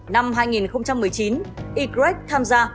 năm hai nghìn một mươi chín ygrec tham gia